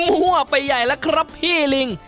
หัวไปใหญ่แล้วครับพี่ลิง